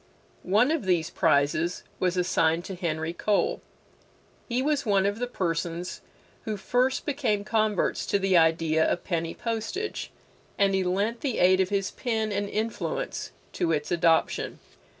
One of these prizes was assigned to Henry Cole. He was one of the persons who first became converts to the idea of penny postage, and he lent the aid of his pen and influence to its adoption.